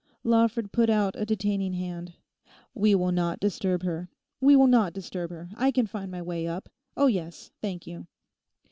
Lawford put out a detaining hand. 'We will not disturb her; we will not disturb her. I can find my way up; oh yes, thank you!